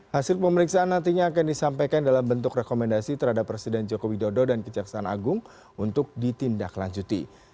hasil pemeriksaan nantinya akan disampaikan dalam bentuk rekomendasi terhadap presiden joko widodo dan kejaksaan agung untuk ditindaklanjuti